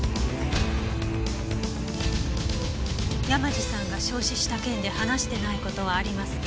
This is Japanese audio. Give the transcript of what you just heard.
山路さんが焼死した件で話してない事はありますか？